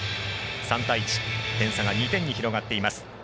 ３対１、点差が２点に広がっています。